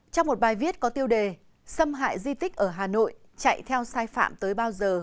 trong một bài viết có tiêu đề xâm hại di tích ở hà nội chạy theo sai phạm tới bao giờ